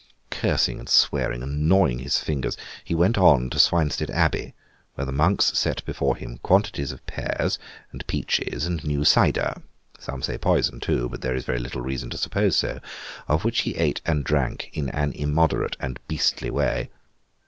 Cursing, and swearing, and gnawing his fingers, he went on to Swinestead Abbey, where the monks set before him quantities of pears, and peaches, and new cider—some say poison too, but there is very little reason to suppose so—of which he ate and drank in an immoderate and beastly way.